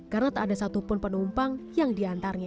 karena tak ada satupun penumpang yang diantarnya